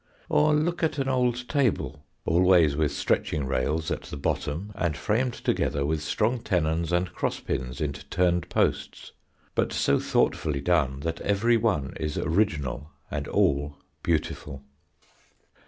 Or look at an old table, always with stretching rails at the bottom and framed together with strong tenons and cross pins into turned posts, but so thoughtfully done that every one is original and all beautiful.